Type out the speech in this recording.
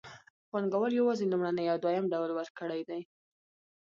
پانګوال یوازې لومړنی او دویم ډول ورکړي دي